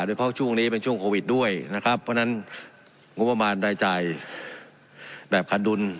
เฉพาะช่วงนี้เป็นช่วงโควิดด้วยนะครับเพราะฉะนั้นงบประมาณรายจ่ายแบบขาดดุล